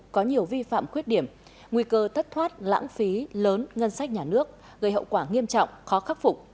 có nhiều vi phạm khuyết điểm nguy cơ thất thoát lãng phí lớn ngân sách nhà nước gây hậu quả nghiêm trọng khó khắc phục